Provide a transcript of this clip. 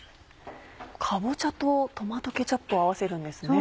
かぼちゃとトマトケチャップを合わせるんですね。